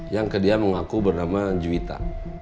yang dia mengaku bernama juwita